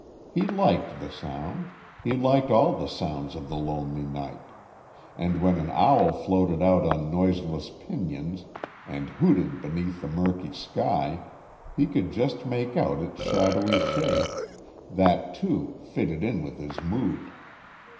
He liked the sound, he liked all the sounds of the lonely night, and when an owl floated out on noiseless pinions and hooted beneath the murky sky he could just make out its shadowy shape that too, fitted in with his mood.